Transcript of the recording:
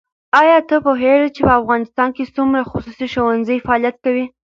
ایا ته پوهېږې چې په افغانستان کې څومره خصوصي ښوونځي فعالیت کوي؟